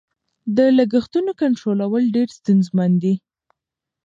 د لګښتونو کنټرولول ډېر ستونزمن دي.